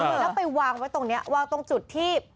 แล้วไปวางไว้ตรงนี้วางตรงจุดที่